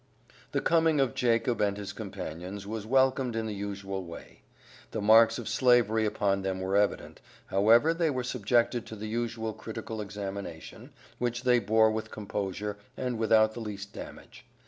The coming of Jacob and his companions was welcomed in the usual way. The marks of Slavery upon them were evident; however they were subjected to the usual critical examination, which they bore with composure, and without the least damage.